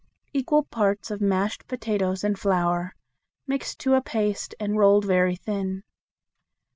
Equal parts of mashed potatoes and flour, mixed to a paste and rolled very thin.